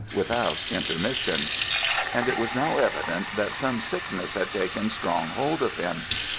without intermission. And it was now evident that some sickness had taken strong hold of him.